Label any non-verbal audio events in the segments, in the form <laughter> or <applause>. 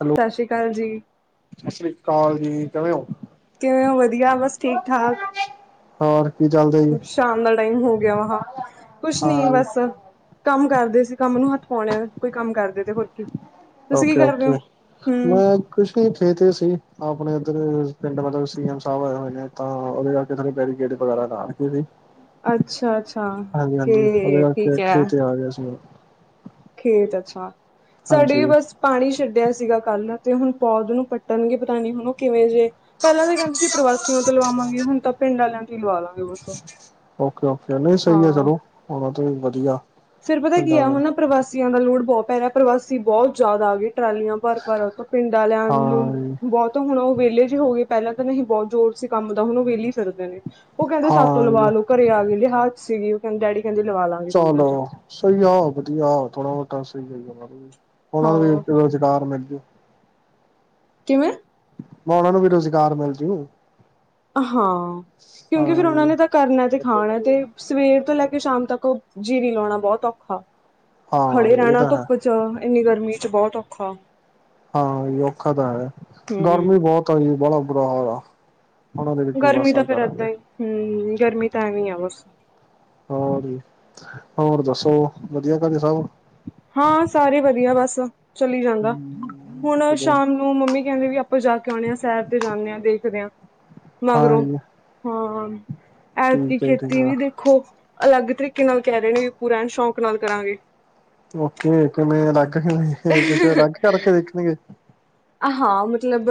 Hello ਸਤਿ ਸ਼੍ਰੀ ਅਕਾਲ ਜੀ। ਸਤਿ ਸ੍ਰੀ ਅਕਾਲ ਜੀ, ਕਿਵੇਂ ਹੋ? ਕਿਵੇਂ ਹੋ ਵਧੀਆ ਬਸ ਠੀਕ-ਠਾਕ। ਹੋਰ ਕੀ ਚੱਲਦੇ। ਸ਼ਾਮ ਦਾ ਟਾਈਮ ਹੋ ਗਿਆ, ਕੁਛ ਨੀ ਹਾਂ ਬਸ। ਕੰਮ ਕਰਦੇ ਸੀ, ਕੰਮ ਨੂੰ ਹੱਥ ਪਾਉਦੇ ਆ ਕੋਈ ਕੰਮ ਕਰਦੇ ਤੇ ਹੋਰ ਕੀ। ਤੁਸੀਂ ਕੀ ਕਰਦੇ ਹੋ ਓਕੇ-ਓਕੇ ਮ ਹਮ ਕੁਛ ਨੀ ਇਥੇ ਤੇ ਸੀ, ਆਪਣੇ ਇੱਧਰ ਪਿੰਡ ਮਤਲਬ ਸੀ ਐਮ ਸਾਹਿਬ ਆਏ ਹੋਏ ਨੇ ਤਾਂ ਉਹਦੇ ਕਿਸ ਨੇ ਬੈਰੀਕੇਡ ਵਗੈਰਾ ਨਾ ਰੱਖ ਸੀ ਅੱਛਾ ਅੱਛਾ ਹਾਂਜੀ-ਹਾਂਜੀ ਕੇ ਉਹਦੇ ਠੀਕ ਹੈ ਖੇਤ ਆ ਗਿਆ ਸੀ। ਖੇਤ ਅੱਛਾ, ਸਾਡੇ ਵੀ ਹਾਂਜੀ ਬਸ ਪਾਣੀ ਛੱਡਿਆ ਸੀਗਾ ਕੱਲ੍ਹ, ਤੇ ਹੁਣ ਪੌਦ ਨੂੰ ਪੱਟਣਗੇ ਪਤਾ ਨੀ ਹੁਣ ਉਹ ਕਿਵੇਂ ਜੇ ਪਹਿਲਾਂ ਤਾਂ ਕਹਿਣ ਅਸੀਂ ਪ੍ਰਵਾਸਓ ਤੋਂ ਲਵਾਵਾਂਗੇ, ਹੁਣ ਤਾਂ ਪਿੰਡ ਵਾਲਿਆਂ ਤੋਂ ਹੀ ਲਵਾ ਲਾਂਗੇ ਹੋਸਬ। ਓਕੇ-ਓਕੇੇ ਨਹੀਂ ਸਹੀ ਹੈ, ਚਲੋ ਉਹਣ ਤੇ ਵੀ ਵਧੀਆ ਫਿਰ ਪਤਾ ਕੀ ਪਿੰਡਾਂ ਆ, ਦਾ ਹੁਣ ਪ੍ਰਵਾਸੀਆਂ ਦਾ ਲੋੜ ਬਹੁਤ ਪੈ ਰਿਹਾ ਪ੍ਰਵਾਸੀ ਬਹੁਤ ਜਿਆਦਾ ਆ ਗਈ ਟਰਾਲੀਆਂ ਭਰ ਭਰ। ਪਿੰਡ ਵਾਲਿਆਂ ਨੂੰ ਹਾਂ ਬਹੁਤ। ਹੁਣ ਉਹ ਵਿਹਲੇ ਜੇ ਹੋ ਗਏ, ਪਹਿਲਾਂ ਤਾਂ ਨਹੀਂ ਬਹੁਤ ਜ਼ੋਰ ਸੀ, ਕੰਮ ਦਾ ਹੁਣ ਉਹ ਵਿਹੇਲੀ ਫਿਰਦੇ ਨੇ ਉਹ ਕਹਿੰਦੇ ਸੱਤ ਹਾਂ ਲਵਾਲੋ ਘਰੇ ਆ ਗਏ, ਲਹਾਦ ਸੀਗੀ, ਉਹ ਕਹਿ ਡੈਡੀ ਕਹਿੰਦੇ ਲਵਾ ਲਾ ਚੱਲ ਸਹੀ ਆ ਵਧੀਆ ਥੋੜਾ ਬਹੁਤਾ ਸਹੀ ਆ। ਉਹਨਾਂ ਨੂੰ ਵੀ ਹਾਂ ਰੁਜ਼ਗਾਰ ਮਿਲ ਜੂ ਕਿਵੇਂ? ਮੈਂ ਉਹਨਾ ਨੂੰ ਵੀ ਰੁਜ਼ਗਾਰ ਮਿਲ ਜੂ। ਹਾਂ ਕਿਉਂਕਿ ਹਾਂ ਫਿਰ ਉਹਨਾਂ ਜੀ ਨੇ ਤਾਂ ਕਰਨਾ ਤੇ ਖਾਣਾ ਤੇ, ਸਵੇਰ ਤੋਂ ਲੈ ਕੇ ਸ਼ਾਮ ਤੱਕ ਜੀ ਵੀ ਲਾਉਣਾ, ਬਹੁਤ ਔਖਾ ਹਾਂ ਖੜੇ ਜੀ ਇਹ ਰਹਿਣਾ ਤਾਂ ਹੈ ਧੁੱਪ ਚ ਇੰਨੀ ਗਰਮੀ ਚ ਬਹੁਤ ਔਖਾ। ਹਾਂ ਔਖਾ ਤਾਂ ਹੈ, ਹੂੰ ਗਰਮੀ ਬਹੁਤ ਆ ਜੀ ਬਹੁਤ ਬੁਰਾ ਹਾਲ ਆ। ਹੁਣ ਉਹਦੇ ਵਿੱਚ ਕੀ ਵੱਸ ਸਾਲ ਕਰਾਂਗੇ। ਹੂੰ, ਗਰਮੀ ਤਾਂ ਐਵੇਂ ਆ ਬਸ। ਹੋਰ ਜੀ ਹੋਰ ਦੱਸੋ, ਵਧੀਆ ਘਰੇ ਸਭ? ਹਾਂ ਸਾਰੇ ਵਧੀਆ ਬਸ ਚਲੀ ਜਾਂਦਾ, ਹੁਣ ਚਲੋ ਸ਼ਾਮ ਨੂੰ ਮੰਮੀ ਕਹਿੰਦੇ ਵੀ, ਜ ਜਾ ਕੇ ਆਉਂਣੇ ਹਾਂ ਸੈਰ ਤੇ ਜਾਂਦੇ ਹਾਂ ਦੇਖਦੇ ਹਾਂ। ਹਾਂ ਮਗਰੋਂ ਜੀ ਹਾਂ, ਐਤਕੀ ਠੀਕ ਹੈ ਜੀ ਠੀਕ ਖੇਤੀ ਆ ਵੀ ਦੇਖ ਖੋ ਅਲੱਗ ਤਰੀਕੇ ਨਾਲ ਕਹਿ ਰਹੇ ਨੇ ਪੂਰਾ ਸ਼ੌਂਕ ਨਾਲ ਕਰਾਂਗੇ। ਓਕੇ ਕਿਵੇਂ ਅਲੱਗ ਕਿਵੇਂ ਕੁਛ ਅਲੱਗ ਕਰਕੇ ਦੇਖਣਗੇ ਹਾਂ, ਮਤਲਬ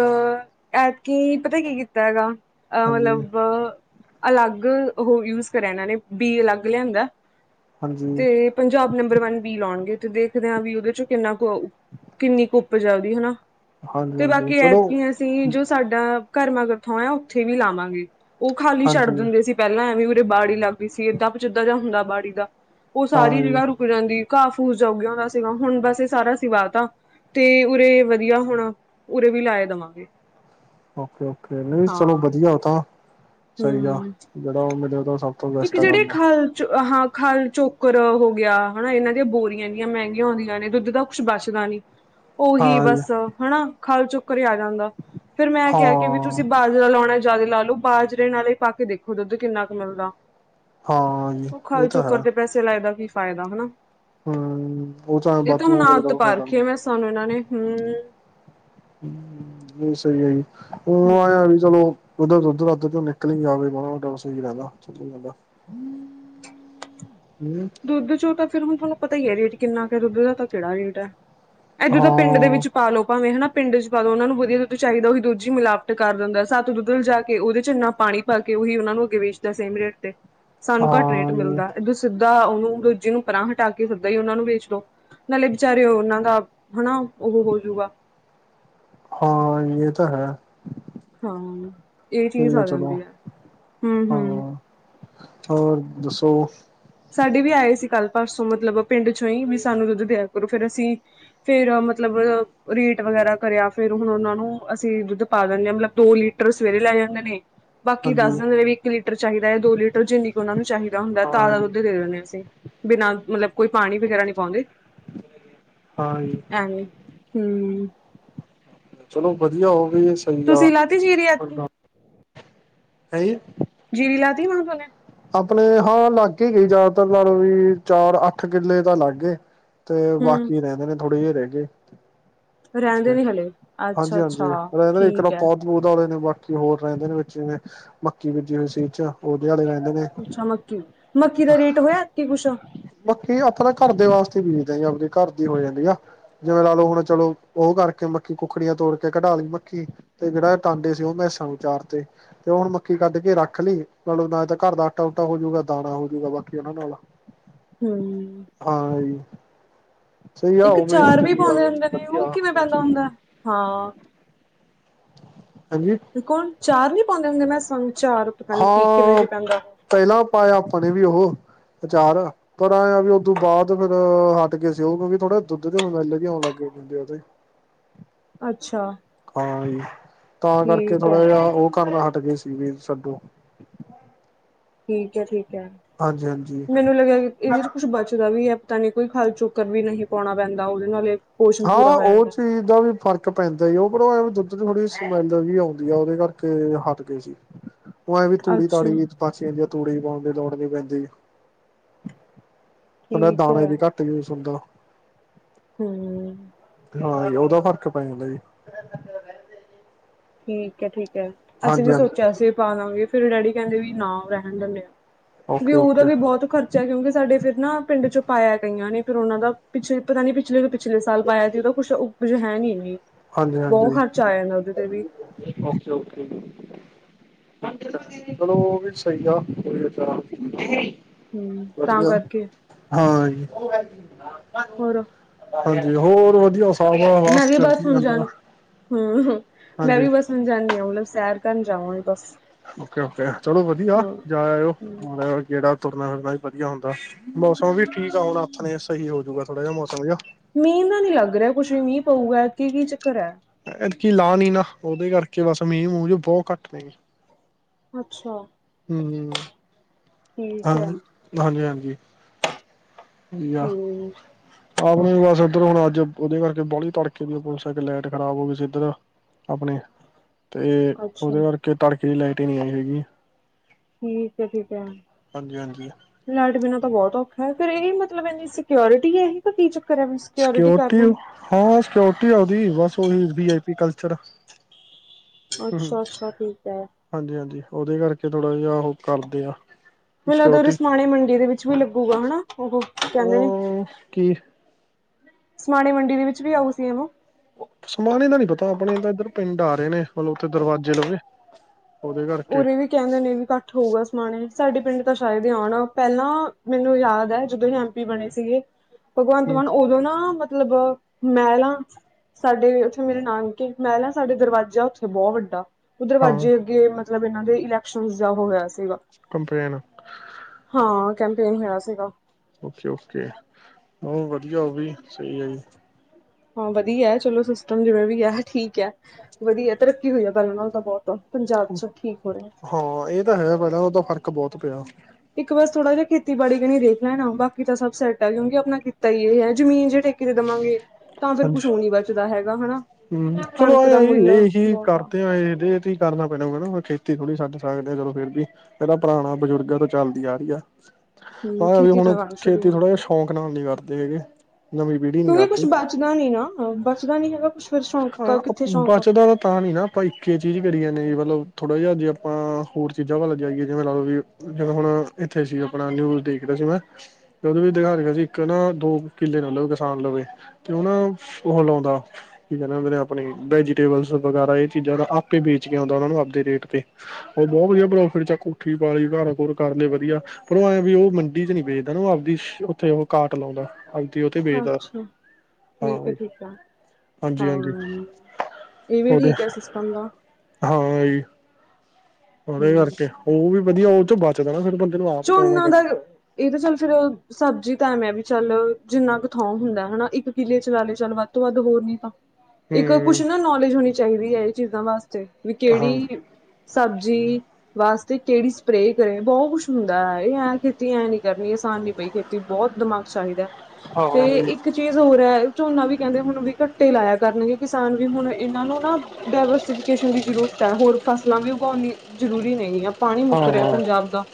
ਐਤਕੀ ਪਤਾ ਕੀ ਕੀਤਾ ਹੈਗਾ ਅ ਹਾਂਜੀ ਮਤਲਬ ਅਲੱਗ ਉਹ ਯੂਜ ਕਰਿਆ, ਇਹਨਾਂ ਨੇ ਬੀ ਅਲੱਗ ਲਿਆਂਦਾ ਹਾਂਜੀ ਤੇ। ਪੰਜਾਬ ਨੰਬਰ ਵਨ ਬੀ ਲਾਉਣਗੇ, ਤੇ ਦੇਖਦੇ ਹਾਂ ਵੀ ਉਹਦੇ ਚੋਂ ਕਿੰਨਾ ਕੁ ਕਿੰਨੀ ਕੁ ਉਪਜ ਉਹਦੀ ਹਨਾ। ਹਾਂਜੀ ਤੇ ਹਾਂਜੀ ਬਾਕੀ ਚਲੋ ਐਤਕੀਆਂ। ਅਸੀਂ ਜੋ ਸਾਡਾ ਘਰ ਮਾਗਰ ਥੋਂ ਆ, ਉੱਥੇ ਵੀ ਲਾਵਾਂਗੇ ਉਹ ਖਾਲੀ ਛੱਡ ਹਾਂਜੀ ਦਿੰਦੇ ਸੀ ਪਹਿਲਾਂ ਐਵੇਂ ਉਰੇ ਬਾੜੀ ਲੱਗ ਗਈ ਸੀ, ਏਦਾਂ ਪਚਿੱਦਾਂ ਜਿਹਾ ਹੁੰਦਾ ਬਾੜੀ ਦਾ ਉਹ ਹਾਂ ਸਾਰੀ ਜੀ ਜਗ੍ਹਾ ਰੁ। ਉ ਦੀ ਘਾ ਫੂਸ ਜਾ ਉਗ ਜਾਦਾ ਸੀਗਾ, ਹੁਣ ਬਸ ਇਹ ਸਾਰਾ ਹੁਣ ਅਸੀ ਵਾ ਦਿੱਤਾ, ਤਾ ਤੇ ਉਰੇ ਵਧੀਆ ਹੁਣ ਉਰੇ ਵੀ ਲਾਏ ਦੇਵਾਂਗੇ। ਓਕੇ-ਓਕੇ ਨਹੀਂ ਹਾਂ ਚਲੋ, ਵਧੀਆ ਉਹ ਤਾਂ ਸਹੀ ਆ ਹੂੰ ਜਿਹੜਾ ਉਹ ਮਲੇ ਤਾਂ ਸਭ। ਤੋਂ ਇੱਕ ਬੈਸਟ ਆ ਜਿਹੜੇ ਕੰਮ ਖਾਲ ਚ ਹਾਂ ਖੱਨ ਚੋਕਰ ਹੋ ਗਿਆ ਹਨਾ, ਇਹਨਾਂ ਦੀਆਂ ਬੋਰੀਆਂ ਦੀਆਂ ਮਹਿੰਗੀਆਂ ਆਉਂਦੀਆਂ, ਨੇ ਦੁੱਧ ਦਾ ਕੁ ਬਚਦਾ ਨਹੀਂ। <unintelligible> ਓਹੀ ਜੀ ਬਸ ਹਨਾ, ਖਾਲ ਚੁੱਕ ਘਰੇ ਆ ਜਾਂਦਾ ਫਿਰ ਮੈਂ ਕਿਹਾ, ਕਿ ਹਾਂ ਤੁਸੀਂ ਜਿਨ੍ਹਾਂ ਲਾਉਣਾ ਜ਼ਿਆਦਾ ਲਾ ਲਓ। ਤਤਤ ਬਾਜਰੇ ਨਾਲ ਹੀ ਪਾ ਕੇ ਦੇਖੋ ਦੁੱਧ ਕਿੰਨਾ ਕੁ ਮਿਲਦਾ। ਹਾਂ। ਜੀ ਉਹ ਇਹ ਖਾਲ ਤਾਂ ਹੈ ਚੋੱਕਰ ਤੇ ਪੈਸੇ ਲਾਏ ਦਾ ਕੀ ਫਾਇਦਾ, ਹਨਾ। ਹਮ ਉਹ ਇਹ ਤਾਂ ਵਾਧੂ ਹੁਣਤ ਕਰੇ ਦਾ ਆਦਤ ਪਾ ਫਾਇਦਾ ਨੀ ਰਹੀ ਭੈਂਸਾ ਨੂੰ ਇਹਨਾਂ ਨੇ, ਹਮ ਇਹ ਸਹੀ ਹੈ। ਜੀ ਹੁ ਹਮ ਆਆ ਵੀ ਚਲੋ ਉੱਧਰ ਉੱਧਰੱਧ ਚ ਦੁੱਧ ਵੱਧ ਕੇ ਨਿਕਲੀ ਜਾਵੇ ਮਾ ਸਹੀ ਰਹਿੰਦਾਦਾ। ਹਮ। ਦੁੱਧ ਚੋਂ ਤਾਂ ਫ ਹੁਣ ਤੁਹਾਨੂੰ ਪਤਾ ਹੀ ਹੈ ਰੇਟ ਕਿੰਨਾ ਕੁ ਦੁੱਧ ਦਾ ਤਾਂ ਕਿਹੜਾ ਰੇਟ ਹੈ, ਇਹ ਜ ਦਾ ਪਿੰਡ ਦੇ ਹਾਂ ਵਿੱਚ। ਪਾਾਲੋ ਭਵੇਂ ਹਨਾ ਪਿੰਡ ਚ ਪਾ ਲਓ ਉਹਨਾਂ ਨੂੰ ਵਧੀਆ ਦੁੱਧ ਚਾਹੀਦਾ ਉਹੀ ਦੱਧਜੀ ਮਿਲਾਵਟ ਕਰ ਦਿੰਦਾ ਸੱਤ ਦੁੱਧਲ ਜਾ ਕੇ ਉਹਦੇ ਚ ਇੰਨਾ ਪਾਣੀ ਪਾ ਕੇ ਉਹੀ ਉਹਨਾਂ ਨੂੰ ਅੱਗੇ ਵੇਚਦਾ ਸੇਮ ਰੇਟ ਤੇ, ਸਾਨੂੰ ਘੱਟ ਰੇਟ ਹਾਂ ਮਿਲਦਾ। ਦਾ ਉਹਨੂੰ ਦੋਜੀ ਨੂੰ ਪਰਾਂ ਹਟਾ ਕੇ ਸੱਦਾ ਹੀ ਉਹਨਾ ਨੂੰ ਵੇਚ ਲ ਨਾਲੇ ਬਚਾਰੇ ਉਹਨਾਂ ਦਾ ਹਨਾ ਉਹ ਹੋਜੂਗਾ। ਹਾਂ ਇਹ ਤਾਂ ਹੈ ਇਹ ਸਹੀ ਚੀਜ਼ ਆ ਚਲੋ ਜਾਂਦੀ ਆ ਹਾਂ ਹ ਹੋਰ ਦੱਸੋ ਸਾਡੀ ਵੀ ਆਏ ਸੀ ਕੱਲ ਪਰਸੋਂ ਮਤਲਬ ਪਿੰਡ ਚੋਂ ਹੀ ਵੀ ਸਾਨੂੰ ਦੁੱਧ ਦਿਆ ਕਰੋ ਫਿਰ ਅਸੀਂ- ਫਿਰ ਮਤਲਬ ਰੇਟ ਵਗੈਰਾ ਕਰਿਆ ਫਿਰ ਹੁਣ ਉਹਨਾਂ ਨੂੰ ਅਸੀਂ ਦੁੱਧ ਪਾ ਦਿੰਦੇ ਆ ਮਤਲਬ ਦੋ- ਲੀਟਰ ਸਵੇਰੇ ਲੈ ਜਾਂਦੇ ਨੇ। ਬਾਕੀ ਦੱਸ ਹਾਂਜੀ ਦਿਦੇ ਵੀ ਇੱਕ ਲੀਟਰ ਚਾਹੀਦਾ ਦੋ ਲੀਟਰ ਉਹਨਾਂ ਨੂੰ ਚਾਹੀਦਾ ਹੁੰਦਾ ਹਾਂ ਤਾਜ਼ਾ- ਜੀ ਦੁੱਧ ਦੇ ਦੇਵੇ ਹਾਂ ਅਸੀ ਬਿਨਾ ਮਤਲਬ ਕੋਈ ਪਾਣੀ ਵਗੈਰਾ ਨਹੀਂ ਪਾਉਂਦੇ। ਹਾਂਜੀ। ਐਵੇੱ ਹਮ। ਚਲੋ ਵਧੀਆ ਹੋਵੇ ਤੁਸੀਂ ਲਾਤੀ ਜੀਰੀ ਐਤਕੀ ਹੈ ਜੀਰੀ ਲਾ ਤੀ ਮਗੋ ਨੇ। ਆਪਣੇ ਆ ਲੱਗ ਹੀ ਜਿਆਦਾ ਵੀ ਚਾਰ ਅੱਠ ਕਿੱਲੇ ਤਾਂ ਲੱਗ ਗਏ। ਤੇ ਹਮ ਬਾਕੀ ਰਹਿੰਦੇ ਨੇ, ਥੋੜੇ ਜਿਹੇ ਰਹਿ ਗਏ। ਰਹਿੰਦੇ ਅੱਛਾ, ਨੀ ਹਲੇ ਅੱਛਾ ਹਾਂਜੀ-ਹਾਂਜੀ ਅੱਛਾ ਰਹਿੰ ਇੱਕ ਤਾਂ ਠੀਕ ਹੈ ਹੁਤ ਦਲੇ ਨੇ ਬਾਕੀ ਹੋਰ ਰਹਿੰਦੇ ਨੇ ਵਿੱਚ ਜਿਵੇਂ ਮੱਕੀ ਬੀਜੀ ਹੋਈ ਸੀ। ਉਹਦੇ ਆਲੇ ਰਹਿੰਦੇ ਨੇ। ਅੱਛਾ ਮੱਕੀ। ਮੱਕੀ ਦਾ ਰੇਟ ਹੋਇਆ ਐਤਕੀ ਕੁਛ ਆ ਬਾਕੀ ਆਪਾਂ ਤਾਂ ਘਰ ਦੇ ਵਾਸਤੇ ਬੀਜਦੇ ਆਪਣੇ ਘਰ ਦੀ ਹੋ ਜਾਂਦੀ ਆ ਜਿਵੇਂ ਲਾ ਲਓ ਹੁਣ ਚਲੋ, ਉਹ ਕਰਕੇ ਮੱਖੀ ਕੁੱਖੜੀਆਂ ਤੋੜ ਕੇ ਕਢਾ ਲਈ ਮੱਖੀ। ਤੇ ਜਿਹੜਾ ਟਾਂਡੇ ਸੀ ਉਹ ਮੈਂ ਸਮਝੌਤੇ, ਤੇ ਹੁਣ ਮੱਕੀ ਕੱਢ ਕੇ ਰੱਖ ਲਈ ਤੁਹਾਨੂੰ ਮੈਂ ਘਰ ਦਾ ਆਟਾ ਹੋ ਜਾਊਗਾ ਦਾਣਾ ਹੋ ਜਾਊਗਾ ਬਾਕੀ ਇਹਨਾਂ ਨਾਲ ਹਮ। ਹਾਂ- ਸਹੀ ਆ ਇੱਕ ਹੋਵੇ ਚਾਰ ਵੀ ਚੱਲੀ ਪਾਉਂਦੇ ਆਵੇ ਹੁੰਦੇ ਨੇ ਵਧੀਆ ਉਹ ਕਿਵੇਂ ਪੈਂਦਾ ਚੀਜ਼ ਵੀ ਹੁੰਦਾ ਹਾਂ। ਹਾਂਜੀ। ਕੌਣ ਚਾਰ ਨਹੀਂ ਪਾਉਂਦੇ ਹੁੰਦੇ, ਮੈਂ ਚਾਰ ਪਤਾ ਨਹੀਂ ਕੀ ਕਿਵੇਂ ਹਾਂ ਪਤ- ਪਹਿਲਾਂ ਪਾਇਆ ਆਪਾਂ ਨੇ ਵੀ ਉਹ ਅਚਾਰ ਪਰ ਉਦੋਂ ਬਾਅਦ ਫਿਰ ਹਟ ਗਏ ਸੀ ਉਹਨੂੰ ਵੀ ਥੋੜਾ ਦੁੱਧ ਦੇ ਆਉਣ ਲੱਗ ਗਏ ਬੰਦੇ। ਅੱਛਾ- ਤਾਂ ਕਰਕੇ ਠੀਕ ਐ, ਥੋੜਾ ਜਿਹਾ ਉਹ ਕਰਦਾ ਹਟ ਗਏ ਸੀਗੇ। ਠੀਕ ਹੈ ਠੀਕ ਹੈ, ਹਾਂਜੀ ਹਾਂਜੀ ਮੈਨੂੰ ਲੱਗਾ ਇਹਦੇ ਚ ਕੁਝ ਬਚਦਾ ਵੀ ਐ। ਤੁਹਾਨੂੰ ਕੋਈ ਖਲ ਚੋਕਰ ਵੀ ਨਹੀਂ ਪਾਉਣਾ ਪੈਂਦਾ ਉਹਦੇ ਨਾਲ ਪੋਸ਼ਣ ਆ ਪੂਰਾ ਹੋ ਉਹ ਜਾਂਦਾ। ਚੀਜ਼ ਦਾ ਵੀ ਇਹ ਫਰਕ ਪੈਂਦਾ ਵੀ ਆ ੳਪਰੋ ਇਹ ਦੁੱਧ ਦੀ ਵੀ ਸਮੈਲ ਜੀ ਆਂਦੀ ਹੈ ੳਹਦੇ ਕਰਕੇ ਹਟ ਗਏ ਸੀ। ਹ ਨਾ ਇਹ ਵੀ ਧੂੜੀ ਅੱਛਾ ਤਾੜੀ ਵੀ ਪਾਚ ਜਾਂਦੀ ਤੂੜੀ ਤੋੜਦੀ ਪੈਂਦੀ- ਹੁਣ ਏ ਠੀਕ ਦਾਣੇ ਐ, ਵੀ ਘੱਟ ਸਮਜ਼ੋ। ਹੂ। ਹਾਂ ਓਦਾਂ ਫਰਕ ਪੈ ਜਾਂਦਾ ਜੀ। ਠੀਕ ਹ ਠੀਕ ਹ ਅਸੀਂ ਹਾਂਜੀ ਵੀ ਹਾਂਜੀ ਸੋਚਿਆ ਸੀ ਪਾਵਾਂਗੇ ਫਿਰ ਡੈਡੀ ਕਹਿੰਦੇ ਵੀ ਨਾ ਰਹਿਣ ਦਿੰਦੇ। ਓਕੇ ਵਿਊ ਦਾ ਓਕੇ ਵੀ ਬਹੁਤ ਚੈਕਿੰਗ ਸਾਡੇ ਫਿਰ ਨਾ ਪਿੰਡ ਚੋਂ ਪਾਇਆ ਗਈਆਂ ਨੇ ਫਿਰ ਉਹਨਾਂ ਦਾ ਪਿੱਛੇ ਪਤਾ ਨਹੀਂ ਪਿਛਲੇ। ਪਿਛਲੇ ਸਾਲ ਪਾਇਆ ਸੀ ਉਹਦਾ ਕੁਛ ਹੈ ਨਹੀਂ ਇੰਨੀ ਹਾਂਜੀ ਹਾਂਜੀ ਬਹੁਤ ਖਰਚਾ ਆਇਆ ਇਹਨਾਂ ਤੇ ਵੀ। Okay okay. ਚਲੋ ਉਹ ਵੀ ਸਹੀ ਆ ਠੀਕ। ਹਮ ਤਾਂ ਵਧੀਆ ਕਰਕੇ ਹਾਂ। ਹੋਰ ਹਾਂਜੀ ਹੋਰ ਵਧੀਆ ਸਭ ਚੜਦੀ ਕਲਾ। ਹੁ ਹੁ ਮੈਂ ਵੀ ਬੱਸ ਜਾਂਦੀ ਹਾਂ ਮਤਲਬ ਸੈਰ ਕਰਨ ਜਾਵਾਂ ਬਸ। ਓਕੇ ਓਕੇ ਚਲੋ ਵਧੀਆ ਹਮ ਜਾ ਆਇਓ ਹਮ ਗੇੜਾ ਤੁਰਨਾ ਫਿਰਨਾ ਹੀ ਵਧੀਆ ਹੁੰਦਾ ਮੌਸਮ ਵੀ ਠੀਕ ਆ ਹੁਣ ਆਥਣੇ ਸਹੀ ਹੋਜੂਗਾ ਥੋੜਾ ਜਿਹਾ ਮੌਸਮ ਜਿਹਾ। ਮੀਂਹ ਮਨੂ ਲੱਗ ਰਿਹਾ ਕੁੱਛ ਵੀ ਮੀਂਹ ਪਊਗਾ ਐਦਕੀ ਕੀ ਚੱਕਰ ਹੈ ਐ ਦਕੀ ਲਾ ਨੀ ਨਾ ਉਹਦੇ ਕਰਕੇ ਬਸ ਮੀਂਹ ਮੂੰਹ ਬਹੁਤ ਘੱਟ ਨੇ। ਅੱਛਾ ਹੁੰ। ਠੀਕ ਹਾਂ ਹੈ ਹਾਂਜੀ ਹਾਂਜੀ। ਯਾ। ਹਮ ਆਪਣੀ ਬਸ ਇੱਧਰ ਹੁਣ ਅੱਜ ਉਹਦੇ ਕਰਕੇ ਬਾਲੀ ਤੜਕੇ ਦੀ ਮੋਟਰਸਾਈਕਲ ਲਾਈਟ ਖ਼ਰਾਬ ਹੋ ਗਈ ਸੀ ਇੱਧਰ। ਆਪਣੇ ਤੇ ਉਹਦੇ ਅੱਛਾ ਕਰਕੇ ਤੜਕੇ ਲਾਈਟ ਨਹੀਂ ਆਈ ਹੈਗੀ। ਠੀਕ ਏ ਠੀਕ ਏ। ਹਾਂਜੀ ਹਾਂਜੀ। ਲਾਈਟ ਬਿਨਾਂ ਤਾਂ ਬਹੁਤ ਔਖਾ ਫਿਰ ਇਹੀ ਮਤਲਬ ਇਨੀ ਸਿਕਿਉਰਿਟੀ ਇਹੀ ਤਾਂ ਕੀ ਚ ਸਕਿਓਰਟੀ ਹਾਂ ਹਾਂ ਸਕਿਓਰਟੀ ਉਹਦੀ ਬਸ ਉਹੀ ਵੀ ਆਈ ਪੀ ਕਲਚਰ। ਹੂੰ ਅੱਛਾ ਅੱਛਾ ਠੀਕ ਹੈ। ਹਾਂਜੀ ਹਾਂਜੀ ਉਹਦੇ ਕਰਕੇ ਥੋੜਾ ਜਿਹਾ ਉਹ ਕਰਦੇ ਆ। ਮਨੂ ਲਗਦਾ ਸਿਕਿਉਰਟੀ ਰੇਸਮਾਣੇ ਮੰਡੀ ਦੇ ਵਿੱਚ ਵੀ ਲੱਗੂਗਾ ਹਨਾ ਉਹ ਕਹਿੰਦੇ ਨੇ। ਉਹ ਕੀ? ਸਮਾਣੇ ਮੰਡੀ ਦੇ ਵਿੱਚ ਵੀ ਆਓ ਸੀਐਮ। ਸਮਾਣੇ ਦਾ ਨਹੀਂ ਪਤਾ ਆਪਣੇ ਅੰਦਰ ਪਿੰਡ ਆ ਰਹੇ ਨੇ ਮਤਲਬ ਉੱਥੇ ਦਰਵਾਜੇ ਲਵੇ। ਉਹਦੇ ਕਰਕੇ ਉਰੇ ਵੀ ਕਹਿੰਦੇ ਨੇ ਵੀ ਖੱਟ ਹੋਊਗਾ ਸਮਾਣੇ ਸਾਡੇ ਪਿੰਡ ਤਾਂ ਸ਼ਾਇਦ ਆਉਣ ਪਹਿਲਾਂ ਮੈਨੂੰ ਯਾਦ ਹ ਜਦੋਂ ਐਮ ਪੀ ਬਣੇ ਸੀਗੇ ਭਗਵੰਤ ਮਾਨ ਉਦੋਂ ਨਾ ਮਤਲਬ ਮਹਿਲਾਾਂ ਸਾਡੇ ਉੱਥੇ ਮੇਰੇ ਨਾਨਕੇ ਮਹਿਲਾਾਂ ਸਾਡੇ ਦਰਵਾਜ਼ਾ ਉੱਥੇ ਬਹੁਤ ਵੱਡਾ ਹਾਂ ਦਰਵਾਜ਼ੇ ਅੱਗੇ ਮਤਲਬ ਇਹਨਾਂ ਦੇ ਇਲੈਕਸ਼ਨ ਜਾ ਹੋਇਆ ਸੀਗਾ। ਕਮਪੈਨ। ਹਾਂ ਕੇਂਦੇ ਹੈ ਸੀਗਾ। ਓਕੇ ਓਕੇ ਉਹ ਵਧੀਆ ਉਹ ਵੀ ਸਹੀ ਹੈ ਜੀ। ਹਾਂ ਵਧੀਆ ਹੈ ਚਲੋ ਸਿਸਟਮ ਜਿਵੇਂ ਵੀ ਹੈ ਠੀਕ ਹੈ ਵਧੀਆ ਤਰੱਕੀ ਹੋਈ ਹੈ ਪਹਲੇ ਨਾਲ ਤਾਂ ਬਹੁਤ। ਪੰਜਾਬ ਚ ਠੀਕ ਹੋ ਰਿਹਾ। ਹਾਂ ਇਹ ਤਾਂ ਹੇ ਪੇਹਦਾ ਫ਼ਰਕ ਬਹੁਤ ਪਿਆ। ਇੱਕ ਬਸ ਥੋੜਾ ਜਿਹਾ ਖੇਤੀਬਾੜੀ ਦੇਖ ਲੈਣਾ ਬਾਕੀ ਤਾਂ ਸਭ ਸੈਟ ਹੈ ਕਿਉਕਿ ਅਪਣਾ ਕਿੱਤਾ ਹੀ ਇਹ ਹੈ ਜਮੀਨ ਜਿਹੜੀ ਠੇਕੇ ਤੇ ਦੇਵਾਂਗੇ ਤਾਂ ਫਿਰ ਕੁਛ ਉਹ ਨੀ ਬਚਦਾ ਹੈਗਾ ਹਨਾ ਹੁੰ ਚਲੋ ਕਣਕ ਦਾ ਮੁੱਲ ਇਹੀ ਇਹੀ ਬਹੁਤ ਕਰਦੇ ਆ ਏਦੇ ਤੇ ਕਰਨਾ ਪੈਣਾਾ ਮੈ ਕਿਹਾ ਖੇਤੀ ਥੋੜ੍ਹੀਛੱਡ ਸਕਦੇ ਆ ਚਲੋ ਫਿਰ ਵੀ ਜਿਹੜਾ ਪੁਰਾਣਾ ਬਜ਼ੁਰਗ਼ ਤ ਚੱਲਦੀ ਆ ਰਹੀ ਆ। ਹੂੰ ਹਾਂ ਵੀ ਖੇਤੀ ਹੁਣ ਤਾਂ ਕਰਨੀ ਛੱਡੀ ਖੇਤੀ ਥੋੜ੍ਹਾ ਜਿਹਾ ਹੁੰਦੀ ਹੈ। ਸ਼ੌਂਕ ਨਾਲ ਨੀ ਕਰਦੇ ਹੈਗੇ ਨਵੀਂ ਪੀੜ੍ਹੀ ਨੀ ਕਿਉਂਕਿ ਕੁਛ ਕਰਦੀ ਬਚਦਾ ਨੀ ਨਾ ਬੱਚਦਾ ਨੀ ਹੈਗਾ ਸ਼ ਸ਼ੋਂ ਹਾਂ ਬਚਦਾ ਤਾਂ ਤਾਂ ਨੀ ਨਾ ਆਪਾਂ ਇੱਕੇ ਚੀਜ਼ ਕਰੀਏ ਨੇ ਮਤਲਬ ਥੋੜਾ ਜਿਹਾ ਜੇ ਆਪਾਂ ਹੋਰ ਚੀਜ਼ਾਂ ਵੱਲ ਜਾਈਏ ਜਿਵੇਂ ਲ ਲਓ ਵੀ ਜਦੋਂ ਹੁਣ ਇੱਥੇ ਸੀ ਆਪਣਾ ਨਿਊਜ਼ ਦੇਖਦਾ ਸੀ ਮੈਂ ਜਦੋਂ ਵੀ ਦਿਖਾ ਕੇ ਗਿਆ ਸੀ ਇੱਕ ਨਾ ਦੋ ਕਿੱਲੇ ਨਾਲ ਲਵੇ ਕਿਸਾਨ ਲਵੇ ਕਿਉਂ ਨਾ ਉਹ ਲਾਉਂਦਾ ਠੀਕ ਹੈ ਉਹ ਨੇ ਆਪਣੀ ਵੈਜੀਟੇਬਲ ਵਗੈਰਾ ਇਹ ਚੀਜ਼ਾਂ ਆਪੇ ਵੇਚ ਕੇ ਆਉਂਦਾ ਉਹ ਨੂੰ ਆਪਣੇ ਰੇਟ ਤੇ ਉਹ ਬਹੁਤ ਵਧੀਆ ਪ੍ਰੋਫਿਟ ਚ ਕੋਠੀ ਪਾ ਲੀ ਘਰ ਘਰ ਕਰ ਲ ਵਧੀਆ ਪਰੋ ਐਂ ਵੀ ਉਹ ਮੰਡੀ ਚ ਨੀ ਵੇਚਦਾ ਨਾ ਉਹ ਆਪਦੀ ਉੱਥੇ ਉਹ ਕਾਟ ਲਾਉਂਦਾ ਉਥੇ ਬੇਚਦਾ ਅੱਛਾ ਹਾਂ ਠੀਕ ਹੈ ਠੀਕ ਹੈ ਹਾਂਜੀ ਹਾਂਜੀ ਹਾਂ ਇਹ ਵੀ ਉਹਦੇ ਠੀਕ ਹੈ ਸਿਸਟਮ ਦਾ ਹਾਂ ਜੀ ਉਹਦੇ ਹੂੰ ਕਰਕੇ ਉਹ ਵੀ ਵਧੀਆ ਉਹ ਚੋਂ ਬਚਦਾ ਨਾ ਫਿਰ ਬੰਦੇ ਨੂੰ ਆਪ ਤੋੜਨਾ ਝੋਨਾ ਦਾ ਪੈਂਦਾ ਇਹ ਤਾਂ ਚੱਲ ਫੇਿਰ ਸਬਜ਼ੀ ਤਾਂ ਮ ਹੈ ਵੀ ਚੱਲ ਜਿੰਨਾ ਕੁ ਥੋਂ ਹੁੰਦਾ ਹੈਾ ਇੱਕ ਕਿੱਲੇ ਚ ਲਾ ਲਏ ਚੱਲ ਵੱਧ ਤੋਂ ਵੱਧ ਹੋਰ ਨੀ ਤਾਂ। ਇੱਕ ਕੁਛ ਹੂੰ ਨਾ ਨੌਲੇਜ ਹੋਣੀ ਚਾਹੀਦੀ ਹੈ ਇਹ ਚੀਜ਼ਾਂ ਵਾਸਤੇ ਵੀ ਹਾਂ ਕਿਹੜੀ। ਸਬਜ਼ੀ ਵਾਸਤੇ ਕਿਹੜੀ ਸਪਰੇਅ ਕਰੇ' ਬਹੁਤ ਕੁਛ ਹੁੰਦਾ ਹੈ ਇਹ ਕਿ ਖੇਤੀ ਐਂ ਨੀ ਕਰਨੀ ਆਸਾਨ ਨੀ ਪਈ'ਖੇਤੀ ਬਹੁਤ ਦਿਮਾਗ ਚਾਹੀਦਾ ਤੇ ਹਾਂ ਇੱਕ ਚੀਜ਼ ਹੋਰ ਹੈ ਝੋਨਾ ਵੀ ਕਹਿੰਦੇ ਹੁਣ ਵੀ ਘੱਟੇ ਲਾਇਆ ਕਰਨਗੇ ਕਿਸਾਨ ਵੀ ਹੁਣ ਇਹਨਾਂ ਨੂੰ ਨਾ ਡਾਇਵਰਸੀਫਿਕੇਸ਼ਨ ਦੀ ਜ਼ਰੂਰਤ ਹੈ ਹੋਰ ਫਸਲਾਂ ਵੀ ਉਗਾਉਣਣੀ ਜ਼ਰੂਰੀ ਨਹੀਂ ਹੈ। ਪਾਣੀ ਮੁੱਕ ਰਿਹਾ ਹਾਂ ਪੰਜਾਬ ਦਾ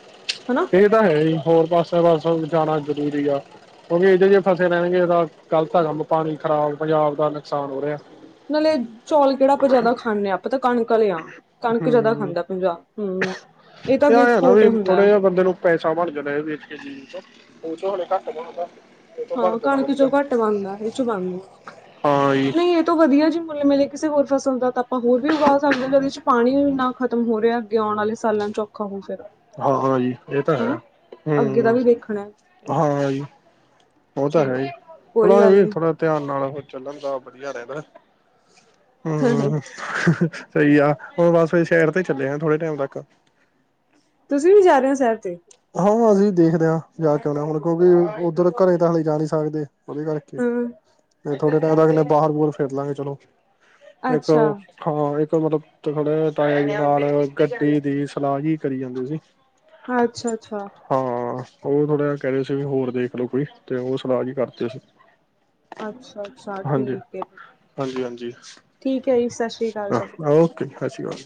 ਹਨਾ ਇਹ ਤਾਂ ਹੈ ਹੀ'ਹੋਰ ਪਾਸੇ ਪਾਸ ਜਾਣਾ ਜ਼ਰੂਰੀ ਆ। ਕਿਉਂਕਿ ਇਹ ਜ ਜਿਹੇ ਫਸੇ ਲੈਣਗੇ ਤਾਂ ਗ਼ਲਤ ਆ ਕੰਮ ਪਾਣੀ ਖ਼ਰਾਬ ਪੰਜਾਬ ਦਾ ਨੁਕਸਾਨ ਹੋ ਰਿਹਾ। ਨਾਲੇ ਚੌਲ ਕਿਹੜਾ ਆਪਾਂ ਜਿਆਦਾ ਖਾਂਦੇ ਹਾਂ ਆਪਾਂ ਤਾਂ ਕਣਕ ਵਾਲੇ ਆ ਕਣਕ ਜਿਆਦਾ ਹੂੰ ਖਾਂਦਾ ਪੰਜਾਬ ਹਮ ਇਹ ਹੈ ਨਾ ਵੀ ਥੋੜੇ ਜਿ ਬੰਦੇ ਨੂੰ ਪੈਸਾ ਬਣ ਜਾਣਾ ਵੇ ਕੇ ਘ ਹਾਂ ਕਣਕ ਚੋਂ ਘੱਟ ਬਣਦਾ ਇਹ ਚੋਂ ਬਣਦਾ ਹਾਂ ਜੀ ਨਹੀਂ ਤੋਂ ਵਧੀਆ ਜੀ ਮੁੱਲ ਮਿਲੇ ਕਿਸੇ ਹੋਰ ਫ਼ਸਲ ਦਾ ਤਾਂ ਆਪਾਂ ਹੋਰ ਵੀ ਉਗਾ ਸਕਦੇ ਜਦੇ ਚ ਪਾਣੀ ਇੰਨਾ ਖ਼ਤਮ ਹੋ ਰਿਹਾ ਅੱ ਆਉਣ ਵਾਲੇ ਸਾਲਾਂ ਚ ਔਖਾ ਹੋ ਫਿਰ ਹਾਂ ਹ ਜੀ ਇਹ ਤਾਂ ਹੈ ਹਨਾ ਅੱਗੇ ਦਾ ਹਮ ਵੀ ਦੇਖਣਾ ਹਾਂ ਜ ਉਹ ਤਾਂ ਹੈ ਹੀ ਚਲੋ ਚਲੋ ਕੋਈ ਗੱਲ ਵੀ ਨੀ ਥੋੜਾ ਧਿਆਨ ਨਾਲ ਉਹ ਚੱਲਣ ਦਾ ਵਧੀਆ ਰਹਿੰਦਾ ਹਮ ਸਹੀ ਆ ਹੁਣ ਬਸ ਫ ਸ਼ਹਿਰ ਤੇ ਚੱਲੇ ਆ ਥੋੜੇ ਟਾਈਮ ਤੱਕ ਤੁਸੀਂ ਵੀ ਜਾ ਰਹੇ ਹੋ ਸ਼ਹਿਰ ਤੇ ਹਾਂ ਅਸੀਂ ਦੇਖਦੇ ਹਾਂ ਜਾ ਕੇ ਆਉਣਾ ਹੁਣ ਕਿਉਂਕਿ ਉੱਧਰ ਘਰੇ ਤਾਂ ਹਲੇ ਜਾ ਨਹੀਂ ਸਕਦੇ। ਉਹਦੇ ਕਰਕੇ ਹੂੰ ਮ ਥੋੜੇ ਟਾਈਮ ਦਾ ਬਾਹਰ ਬਹਰ ਫਿਰ ਲਾਂਗੇ ਚਲੋ ਇੱਕ ਅੱਛਾ ਹਾਂ ਇੱਕ ਮਤਲਬ ਥੋੜੇ ਟੈਮ ਨਾਲ ਗੱਡੀ ਦੀ ਸਲਾਹ ਹੀ ਕਰੀ ਜਾਂਦੀ ਸੀ। ਅੱਛ ਅੱਛਾ। ਹਾਂ ਉਹ ਥੋੜ੍ਹਾ ਜਿਹਾ ਕਹਿ ਰਹੇ ਸੀ ਵੀ ਹੋਰ ਦੇਖਲੋ ਕੋਈ ਤੇ ਉਹ ਸਲਾਹ ਜਹੀ ਕਰਤੇ ਸੀ। ਅੱਛਾ ਅੱਛਾ ਹਾਂਜੀ ਠੀਕ ਹੈ ਜੀ। ਹਾਂਜੀ ਹਾਂਜੀ। ਠੀਕ ਹੈ ਜੀ। ਸ੍ਰੀ ਅਕਾਲ ਚਲੋ ਓਕੇ ਸਤ ਸ਼੍ਰੀ ਆਕਾਲ ਜੀ।